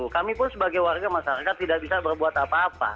kami pun sebagai warga masyarakat tidak bisa diperlukan di pulau sebaru